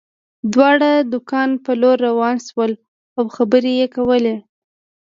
دواړه د کان په لور روان شول او خبرې یې کولې